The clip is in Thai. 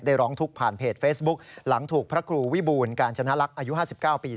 ร้องทุกข์ผ่านเพจเฟซบุ๊กหลังถูกพระครูวิบูลกาญจนลักษณ์อายุ๕๙ปี